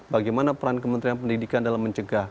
bagaimana peran kementerian pendidikan dalam mencegah